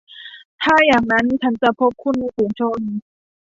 ถ้าอย่างนั้นฉันจะพบคุณในฝูงชน ?